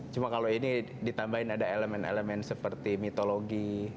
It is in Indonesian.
cuma kalau ini ditambahin ada elemen elemen seperti mitologi